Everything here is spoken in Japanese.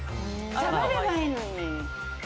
しゃべればいいのに。